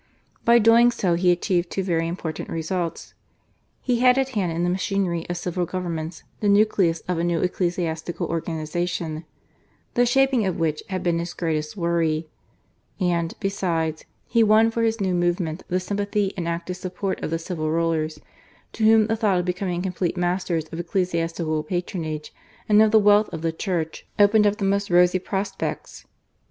By doing so he achieved two very important results. He had at hand in the machinery of civil government the nucleus of a new ecclesiastical organisation, the shaping of which had been his greatest worry; and, besides, he won for his new movement the sympathy and active support of the civil rulers, to whom the thought of becoming complete masters of ecclesiastical patronage and of the wealth of the Church opened up the most rosy prospects.